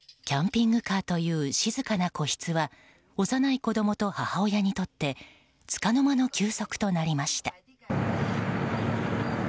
キャンピングカーという静かな個室は幼い子供と母親にとってつかの間の休息となりました。